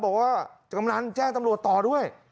บอกว่ากำลังแจ้งตำรวจต่อด้วย